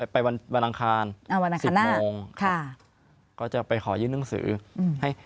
ไปวันวันอังคารอ่าวันอังคารหน้าสิบโมงค่ะก็จะไปขอยื่นหนึ่งสืออืม